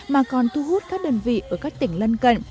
mà còn thu hút các đơn vị ở các tỉnh lân cận